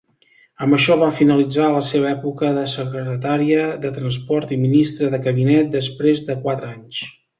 Amb això va finalitzar la seva època de secretaria de transport i ministra de cabinet després de quatre anys.